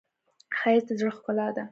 ښایست د زړه ښکلا ده